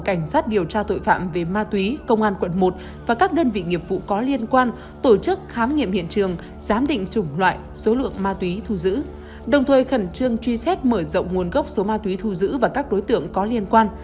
cảnh sát điều tra tội phạm về ma túy công an quận một và các đơn vị nghiệp vụ có liên quan tổ chức khám nghiệm hiện trường giám định chủng loại số lượng ma túy thu giữ đồng thời khẩn trương truy xét mở rộng nguồn gốc số ma túy thu giữ và các đối tượng có liên quan